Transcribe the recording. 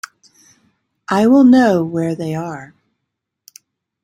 I will know where they are.